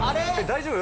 大丈夫？